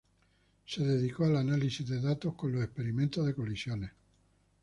Se dedicó al análisis de datos de los experimentos de colisiones.